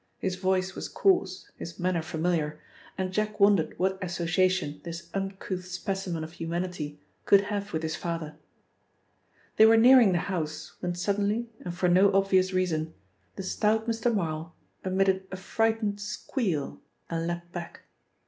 His voice was coarse, his manner familiar, and Jack wondered what association this uncouth specimen of humanity could have with his father. They were nearing the house when suddenly and for no obvious reason the stout Mr. Marl emitted a frightened squeal and leapt back.